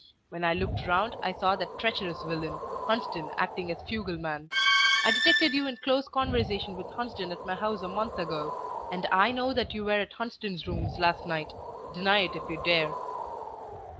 When I looked round, I saw that treacherous villain, Hunsden acting as fugleman. I detected you in close conversation with Hunsden at my house a month ago, and I know that you were at Hunsden's rooms last night. Deny it if you dare."